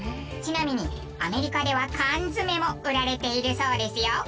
ちなみにアメリカでは缶詰も売られているそうですよ。